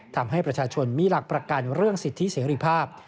ทำให้ประชาชนมีหลักประกันเรื่องสิทธิเสรีภาพ